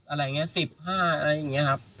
อะไรอย่างนี้๑๕อะไรอย่างนี้ครับ